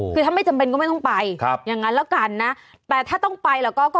คือถ้าไม่จำเป็นก็ไม่ต้องไปครับอย่างนั้นแล้วกันนะแต่ถ้าต้องไปแล้วก็ก็